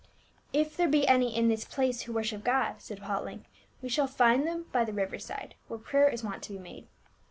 " If there be any in tiiis place who worship God," said Paul at length, " we shall find them by the river side, where prayer is wont to be made."